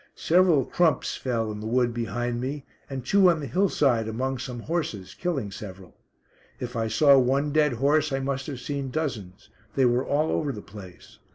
Several "crumps" fell in the wood behind me, and two on the hill side among some horses, killing several. If I saw one dead horse I must have seen dozens; they were all over the place.